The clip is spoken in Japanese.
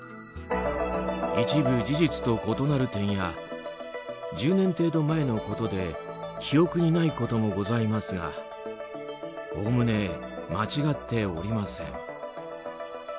一部事実と異なる点や１０年程度前のことで記憶にないこともございますがおおむね間違っておりません。